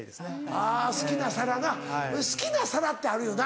あぁ好きな皿な好きな皿ってあるよな